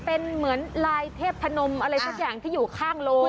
เป็นเหมือนลายเทพนมอะไรสักอย่างที่อยู่ข้างโรง